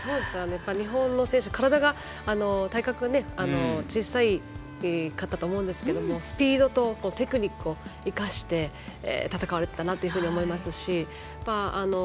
日本の選手は体格が小さかったと思うんですがスピードとテクニックを生かして戦われていたと思いますし。